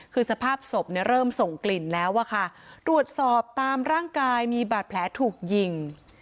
คือสภาพศพเนี่ยเริ่มส่งกลิ่นแล้วอะค่ะตรวจสอบตามร่างกายมีบาดแผลถูกยิง